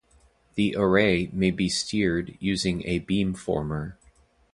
The array may be steered using a beamformer.